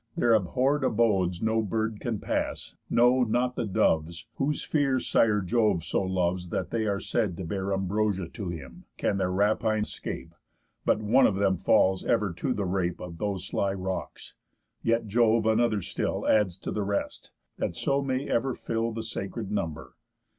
Their abhorr'd abodes No bird can pass; no not the doves, whose fear Sire Jove so loves that they are said to bear Ambrosia to him, can their ravine 'scape, But one of them falls ever to the rape Of those sly rocks; yet Jove another still Adds to the rest, that so may ever fill The sacred number.